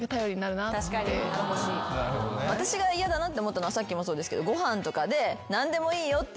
私が嫌だなって思ったのはさっきもそうですけどご飯とかで。